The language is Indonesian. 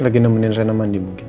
lagi nemenin rena mandi mungkin